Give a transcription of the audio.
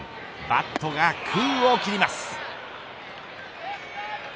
バットが空を切ります。